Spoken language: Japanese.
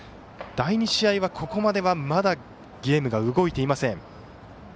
第２試合は、ここまではまだゲームが動いていません。